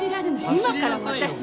今から私に。